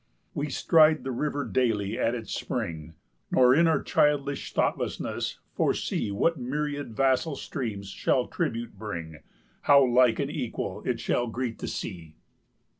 We stride the river daily at its spring, Nor, in our childish thoughtlessness, foresee, What myriad vassal streams shall tribute bring, How like an equal it shall greet the sea.